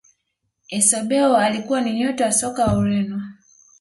eusebio alikuwa ni nyota wa soka wa ureno